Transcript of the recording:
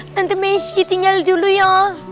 tante messi tinggal dulu ya